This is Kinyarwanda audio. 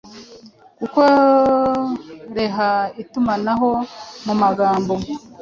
gukoreha itumanaho mu magambo